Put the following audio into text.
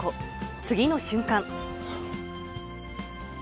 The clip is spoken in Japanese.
次の瞬間。